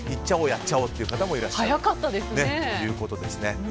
やっちゃおうという方もいらっしゃるということですね。